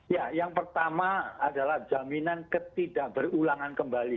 ya yang pertama adalah jaminan ketidak berulangan kembali